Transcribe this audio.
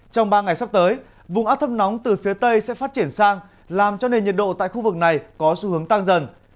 trong ba ngày sắp tới vùng áp thấp nóng từ phía tây sẽ phát triển sang làm cho nền nhiệt độ tại khu vực này có xu hướng tăng dần